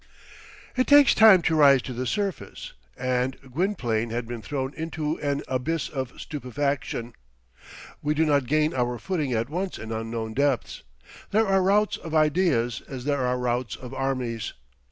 It takes time to rise to the surface. And Gwynplaine had been thrown into an abyss of stupefaction. We do not gain our footing at once in unknown depths. There are routs of ideas, as there are routs of armies.